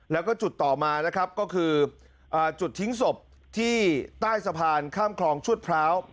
แล้วก็จุดต่อมานะครับก็คือจุดทิ้งศพที่คล่ามคลองชุดพร้าว